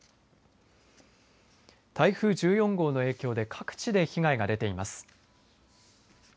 台風１４号の影響で各地で被害が出ています。